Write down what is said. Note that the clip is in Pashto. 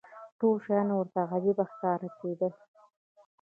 ټول شیان ورته عجیبه ښکاره کېدل.